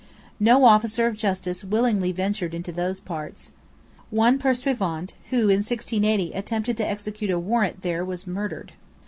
No officer of justice willingly ventured into those parts. One pursuivant who in 1680 attempted to execute a warrant there was murdered.